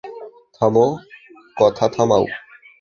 থামো, কথা থামাও!